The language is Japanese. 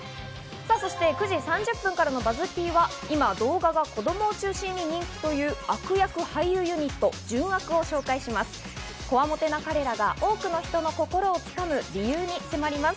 ９時３０分からのＢＵＺＺ−Ｐは今動画が子供を中心に人気という悪役俳優ユニット・純悪を紹介します。